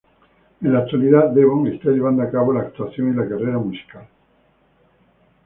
En la actualidad, Devon está llevando a cabo la actuación y la carrera musical.